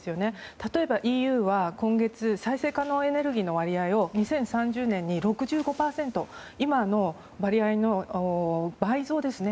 例えば、ＥＵは今月、再生可能エネルギーの割合を２０３０年に６５％、今の割合の倍ですね。